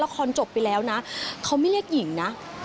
คอนจบไปแล้วนะเขาไม่เรียกหญิงนะ